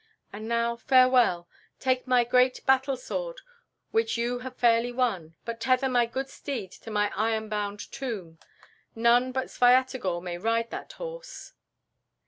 And now, farewell! Take my great battle sword, which you have fairly won, but tether my good steed to my iron bound tomb. None but Svyatogor may ride that horse."